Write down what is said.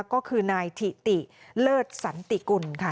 ก็คือนายถิติเลิศสันติกุลค่ะ